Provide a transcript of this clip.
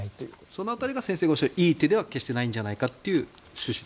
その辺りが先生がおっしゃるいい手では決してないんじゃないかという趣旨。